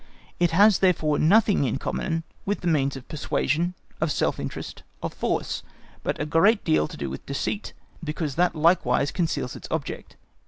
It has therefore nothing in common with means of persuasion, of self interest, of force, but a great deal to do with deceit, because that likewise conceals its object.